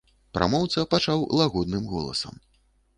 Прамоўца пачаў лагодным голасам.